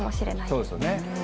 そうですよね。